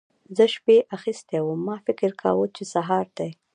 زه شپې اخيستی وم؛ ما فکر کاوو چې سهار دی.